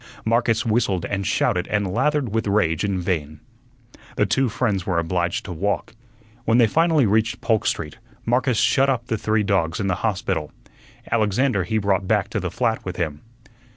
Marcus whistled and shouted and lathered with rage in vain. The two friends were obliged to walk. When they finally reached Polk Street, Marcus shut up the three dogs in the hospital. Alexander he brought back to the flat with him.